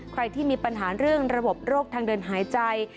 ใครที่มีปัญหาเรื่องระบบโรคทางเดินหายใจ